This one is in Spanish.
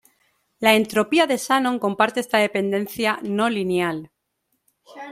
La entropía de Shannon comparte esta dependencia no lineal.